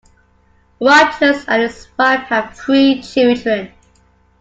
Rogers and his wife have three children.